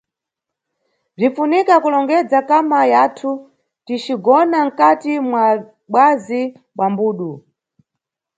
Bzinʼfunika kulongedza kama yathu ticigona nkati mwa bzazi bza mbudu.